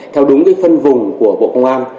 theo đúng cái phân vùng của bộ công an